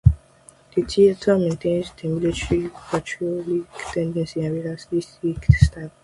The theater maintains the military-patriotic tendency and realistic style.